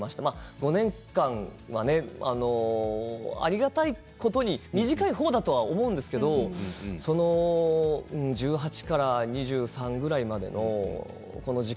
５年間はありがたいことに短い方だと思うんですけど１８歳から２３歳ぐらいまでの間